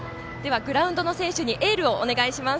グラウンドの選手にエールをお願いします。